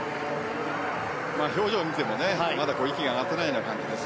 表情を見てもまだ息が上がってない感じです。